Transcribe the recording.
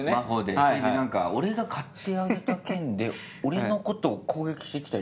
それで何か俺が買ってあげた剣で俺のことを攻撃して来たり。